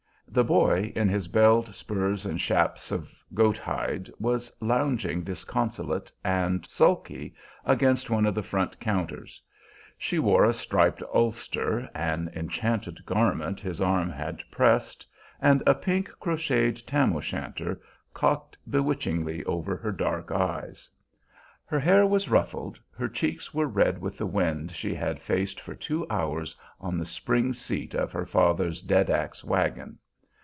The boy, in his belled spurs and "shaps" of goat hide, was lounging disconsolate and sulky against one of the front counters; she wore a striped ulster, an enchanted garment his arm had pressed, and a pink crocheted tam o' shanter cocked bewitchingly over her dark eyes. Her hair was ruffled, her cheeks were red, with the wind she had faced for two hours on the spring seat of her father's "dead axe" wagon.